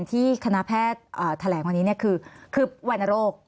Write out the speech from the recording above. ที่คณะแพทย์แถลงวันนี้คือวรรณโรค